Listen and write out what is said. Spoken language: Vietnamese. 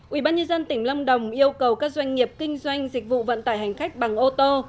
ubnd tỉnh lâm đồng yêu cầu các doanh nghiệp kinh doanh dịch vụ vận tải hành khách bằng ô tô